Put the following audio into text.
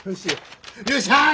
よっしゃあ！